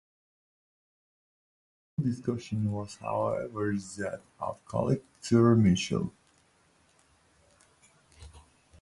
The final decision was however that of Collector Mitchell.